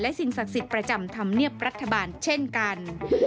สิ่งศักดิ์สิทธิ์ประจำธรรมเนียบรัฐบาลเช่นกัน